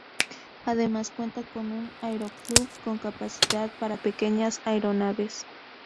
Además cuenta con un Aeroclub con capacidad para pequeñas Aeronaves.